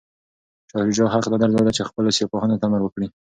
شاه شجاع حق نه درلود چي خپلو سپایانو ته امر وکړي.